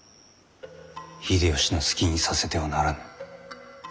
秀吉の好きにさせてはならぬ。